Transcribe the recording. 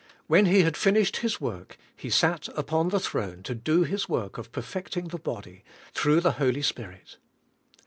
When He had finished His work, He sat upon the throne to do His work of perfecting the body, through the Hol}^ Spirit.